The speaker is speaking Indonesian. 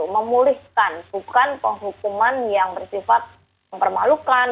memulihkan bukan penghukuman yang bersifat mempermalukan